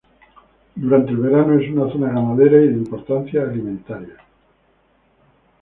Durante el verano, es una zona ganadera y de importancia alimentaria.